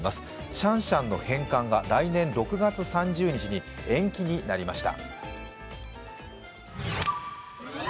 シャンシャンの返還が来年６月３０日に延期になりました。